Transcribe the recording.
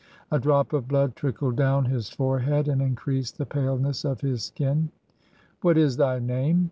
A drop of blood trickled down his forehead and increased the paleness of his skin. "What is thy name?"